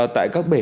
tại các bãi biển